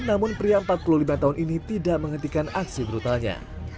namun pria empat puluh lima tahun ini tidak menghentikan aksi brutalnya